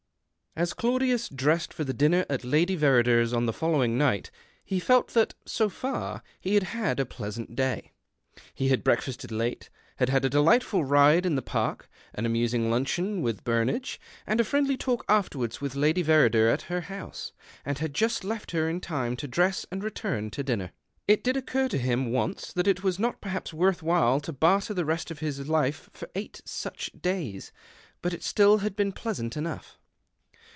As Claudius dressed for the dinner at Lady Verrider's on tlie following night, he felt that, so far, he had had a pleasant day. He had breakfasted late, had had a delightful ride in the park, an amusing luncheon with Bur nage, and a friendly talk afterwards with Lady Verrider at her house, and had just left her in time to dress and return to dinner. It did occur to him once that it was not perhaps worth while to barter the rest of his life for eight such days — but still it had been pleasant enough.